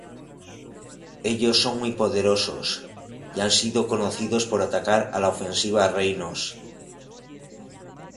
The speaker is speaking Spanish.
Ellos son muy poderosas, y han sido conocidos por atacar a la ofensiva reinos.